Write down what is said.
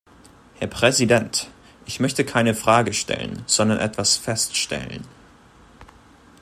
Herr Präsident! Ich möchte keine Frage stellen, sondern etwas feststellen.